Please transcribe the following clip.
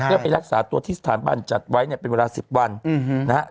เพื่อไปรักษาตัวที่สถาบันจัดไว้เนี่ยเป็นเวลา๑๐วันนะฮะ